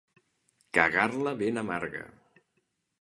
Cagar-la ben amarga.